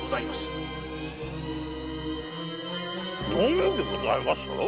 何でございます？